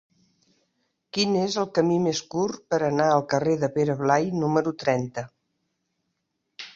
Quin és el camí més curt per anar al carrer de Pere Blai número trenta?